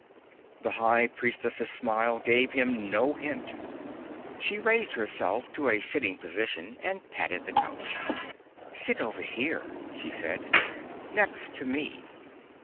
The High Priestess's smile gave him no hint. She raised herself to a sitting position and patted the couch. "Sit over here," she said. "Next to me."